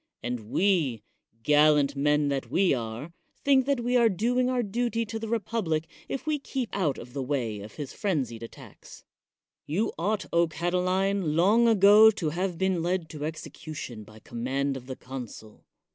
And we, gallant men that we are, think that we are doing our duty to the republic if we keep out of the way of his frenzied attacks. You ought, O Catiline, long ago to have been led to execution by command of the consul.